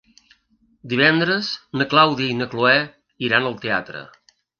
Divendres na Clàudia i na Cloè iran al teatre.